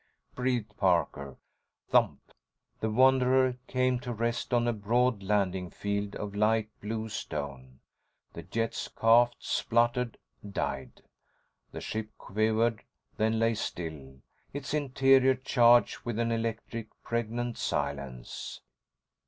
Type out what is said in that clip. breathed Parker. ———— Thump! The Wanderer came to rest on a broad landing field of light blue stone. The jets coughed, spluttered, died. The ship quivered, then lay still, its interior charged with an electric, pregnant silence.